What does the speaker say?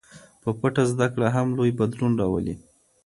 په پټه زده کړه هم لوی بدلون راولي.